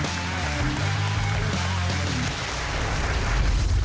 โต๊ยอีก